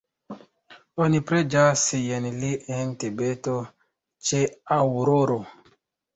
Oni preĝas je li en Tibeto ĉe aŭroro.